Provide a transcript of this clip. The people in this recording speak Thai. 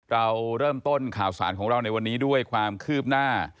เราเริ่มต้นข่าวสารของเราในวันนี้ด้วยความคืบหน้า